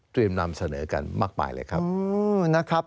เตรียมนำเสนอกันมากไปเลยครับ